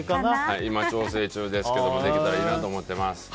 今、調整中ですができたらいいなと思っています。